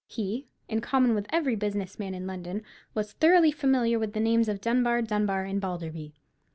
He, in common with every business man in London, was thoroughly familiar with the names of Dunbar, Dunbar, and Balderby.